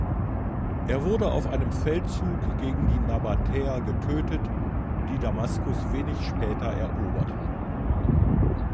Er wurde auf einem Feldzug gegen die Nabatäer getötet, die Damaskus wenig später eroberten.